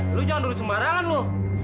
eh lo jangan nuduh semarangan lo